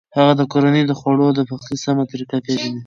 هغه د کورنۍ د خوړو د پخلي سمه طریقه پېژني.